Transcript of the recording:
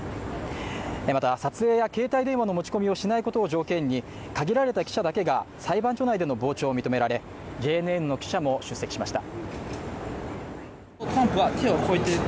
また撮影や携帯電話の持ち込みをしないことを条件に限られた記者だけが、裁判所内での傍聴を認められ、ＪＮＮの記者も出席しました。